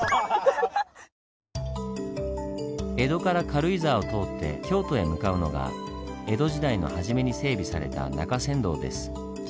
江戸から軽井沢を通って京都へ向かうのが江戸時代の初めに整備された中山道です。